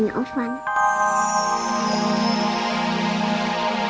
ini kan aku lagi jalan jalan sama mama